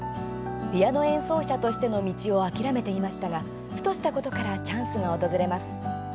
ピアノ演奏者としての道を諦めていましたがふとしたことからチャンスが訪れます。